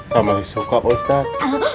sama istri suka pak ustaz